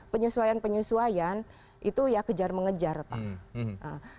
penyesuaian penyesuaian itu ya kejar mengejar pak